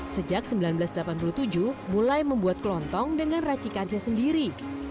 sejak seribu sembilan ratus delapan puluh tujuh mulai membuat kelontong dengan racikannya sendiri